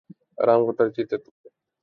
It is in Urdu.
آرام کو ترجیح دیتے ہیں